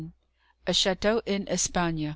A CHÂTEAU EN ESPAGNE.